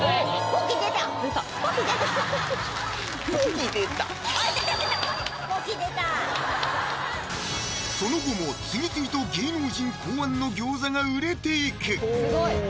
ポキ出たその後も次々と芸能人考案の餃子が売れていく！